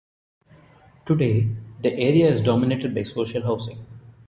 Today the area is dominated by social housing.